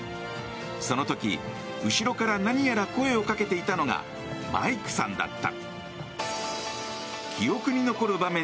その時、後ろから何やら声をかけていたのがマイクさんだった。